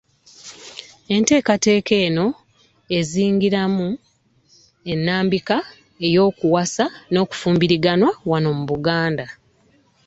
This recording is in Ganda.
Enteekateeka eno ezingiramu ennambika y'okuwasa n'okufumbiriganwa wano mu Buganda.